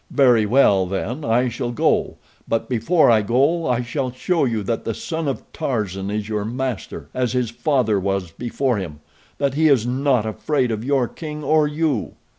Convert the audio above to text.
Very well, then, I shall go; but before I go I shall show you that the son of Tarzan is your master, as his father was before him—that he is not afraid of your king or you."